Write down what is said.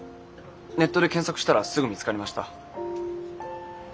ネットで検索したらすぐ見つかりました。